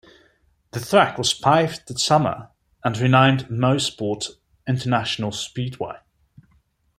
The track was paved that summer and renamed Mosport International Speedway.